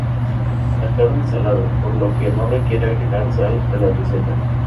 La carne es salada, por lo que no requiere agregar sal a la receta.